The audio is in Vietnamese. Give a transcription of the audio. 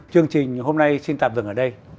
chương trình hôm nay xin tạm dừng ở đây